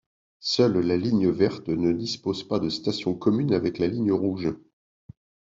Seule la ligne verte ne dispose pas de station commune avec la ligne rouge.